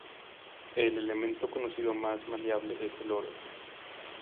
El elemento conocido más maleable es el oro.